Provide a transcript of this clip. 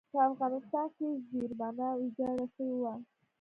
په افغانستان کې زېربنا ویجاړه شوې وه.